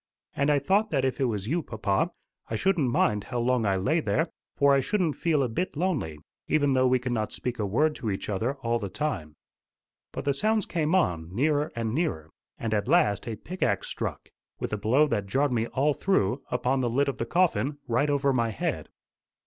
And I thought that if it was you, papa, I shouldn't mind how long I lay there, for I shouldn't feel a bit lonely, even though we could not speak a word to each other all the time. But the sounds came on, nearer and nearer, and at last a pickaxe struck, with a blow that jarred me all through, upon the lid of the coffin, right over my head.